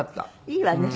いいわね